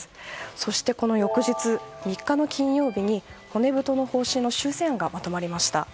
そして、この翌日３日の金曜日に骨太の方針の修正案がまとまりました。